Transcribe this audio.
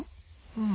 うん。